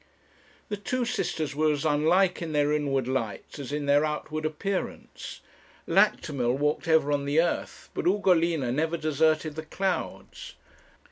The two sisters were as unlike in their inward lights as in their outward appearance. Lactimel walked ever on the earth, but Ugolina never deserted the clouds.